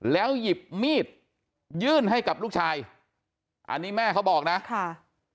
แล้วหยิบมีดยื่นให้กับลูกชายอันนี้แม่เขาบอกนะค่ะ